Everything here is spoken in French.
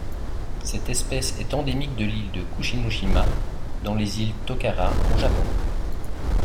Cette espèce est endémique de l'île de Kuchino-shima dans les îles Tokara au Japon.